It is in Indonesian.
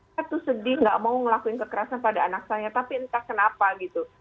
saya tuh sedih gak mau ngelakuin kekerasan pada anak saya tapi entah kenapa gitu